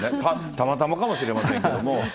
たまたまかもしれませんけれども。